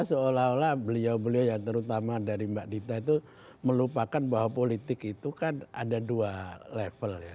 seolah olah beliau beliau ya terutama dari mbak dita itu melupakan bahwa politik itu kan ada dua level ya